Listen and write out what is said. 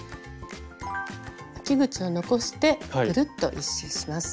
あき口を残してぐるっと１周します。